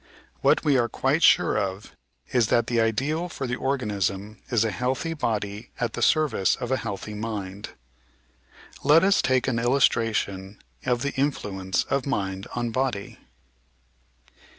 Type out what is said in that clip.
What we are quite sure of is that the ideal for the organism is a healthy body at the service of a healthy mind. Let us take an illustration of the influence of mind on body.